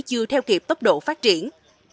chưa theo kịp tốc độ phát triển